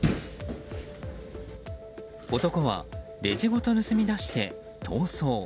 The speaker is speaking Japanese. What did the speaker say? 男はレジごと盗み出して逃走。